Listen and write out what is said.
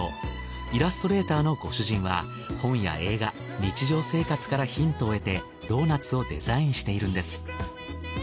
イラストレーターのご主人は本や映画日常生活からヒントを得てドーナツをデザインしているんです。